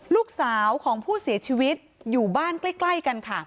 ลูกสาวของผู้เสียชีวิตอยู่บ้านใกล้กันค่ะ